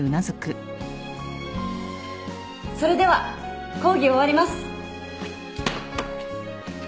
それでは講義を終わります。